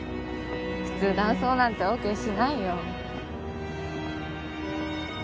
普通男装なんてＯＫしないよ。